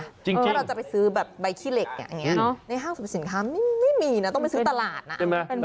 จริงอย่างนี้เราก็จะไปซื้อบับใบขี้เหล็กอ่ะในห้างสมสินค้าไม่มีนะต้องไปซื้อตลาดนะ